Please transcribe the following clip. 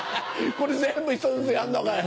これ全部一つずつやんのかよ。